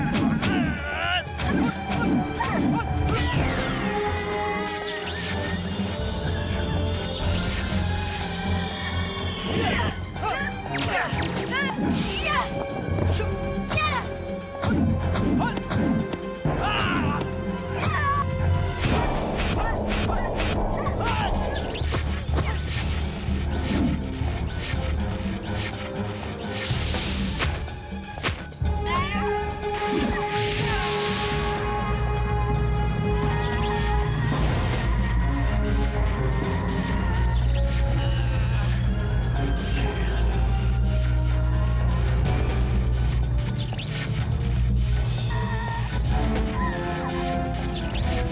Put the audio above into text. kemana orang tua itu